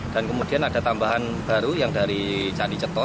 dan kemudian ada tambahan baru yang dari candi cetro